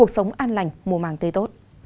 sống an lành mùa màng tế tốt